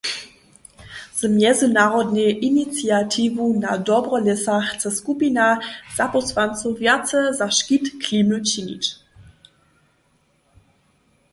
Z mjezynarodnej iniciatiwu na dobro lěsa chce skupina zapósłancow wjace za škit klimy činić.